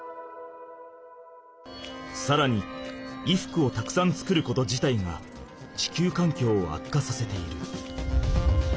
さらに衣服をたくさん作ること自体が地球環境を悪化させている。